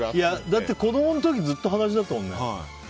だって、子供の時ずっと裸足だったもんね。